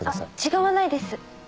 あっ違わないです。